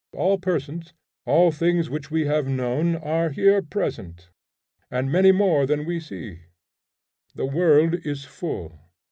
All persons, all things which we have known, are here present, and many more than we see; the world is full.